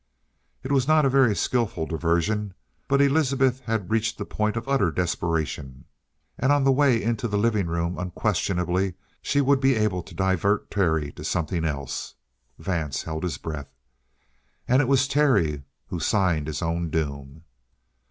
It was not a very skillful diversion, but Elizabeth had reached the point of utter desperation. And on the way into the living room unquestionably she would be able to divert Terry to something else. Vance held his breath. And it was Terry who signed his own doom.